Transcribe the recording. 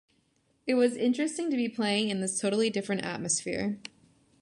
It was interesting to be playing in this totally different atmosphere.